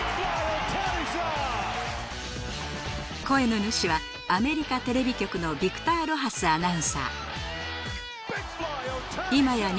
声の主は、アメリカテレビ局のビクター・ロハスアナウンサー。